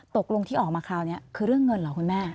ตกลงที่ออกมาคราวนี้คือเรื่องเงินเหรอคุณแม่